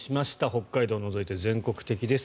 北海道を除いて全国的です。